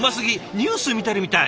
ニュース見てるみたい。